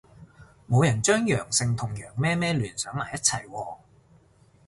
冇人將陽性同羊咩咩聯想埋一齊喎